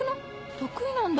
得意なんだ？